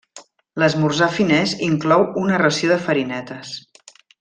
L'esmorzar finès inclou una ració de farinetes.